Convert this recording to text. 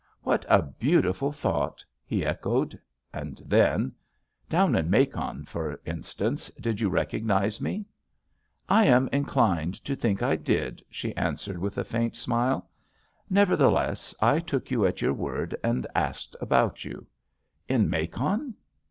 "What a beautiful thought!" he echoed. And then: "Down in Macon, for instance, did you recognize me?" "I am inclined to think I did," she an swered with a faint smile. "Nevertheless, I took you at your word, and asked about vou." "In Macon?"